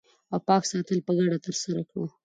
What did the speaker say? او پاک ساتل په ګډه ترسره کړو